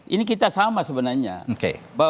ini kita sama sebenarnya